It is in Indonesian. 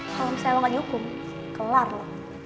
kalau misalnya lo gak dihukum kelar lo